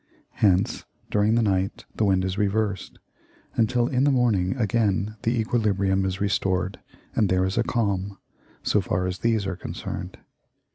Hence during the night the wind is reversed, until in the morning again the equilibrium is restored and there is a calm, so far as these are concerned.